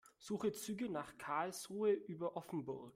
Suche Züge nach Karlsruhe über Offenburg.